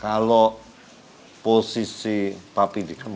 kalau posisi papi di kamu